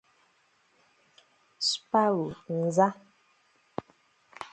Sparrow — Nza